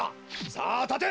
さあたて！